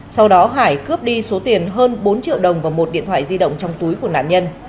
sau đó hải cướp đi số tiền hơn bốn triệu đồng và một điện thoại di động trong túi của nạn nhân